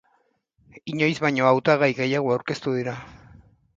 Inoiz baino hautagai gehiago aurkeztu dira.